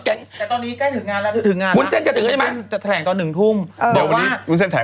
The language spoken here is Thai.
แต่ตอนนี้ให้ถึงงานแล้ว